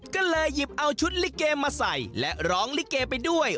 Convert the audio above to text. ก็เลยหยิบเอาชุดลิเกมาใส่และร้องลิเกไปด้วย